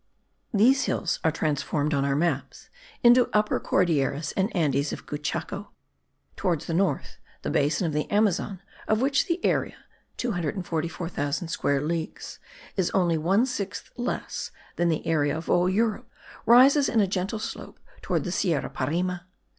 These hills are transformed on our maps into Upper Cordilleras and Andes of Cuchao. Towards the north the basin of the Amazon, of which the area (244,000 square leagues) is only one sixth less than the area of all Europe, rises in a gentle slope towards the Sierra Parime.